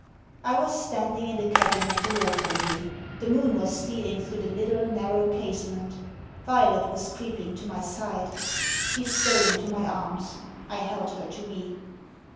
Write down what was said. I was standing in the cabin of the Water Lily. The moon was steah'ng through the little narrow casement Violet was creeping to my side. She stole into my arms. I held her to me.